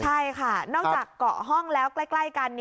ใช่ค่ะนอกจากเกาะห้องแล้วใกล้กัน